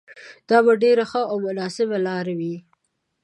دا به ډېره ښه او مناسبه لاره وي.